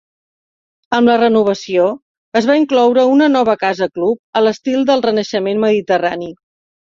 Amb la renovació es va incloure una nova casa club a l'estil del renaixement mediterrani.